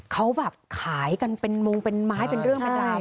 เขาขายกันเป็นมงเป็นไม้เป็นเรื่องแบบนี้